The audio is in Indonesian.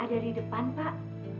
ada di depan pak